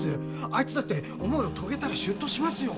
あいつだって思いを遂げたら出頭しますよ。